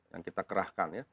yang kita kerahkan ya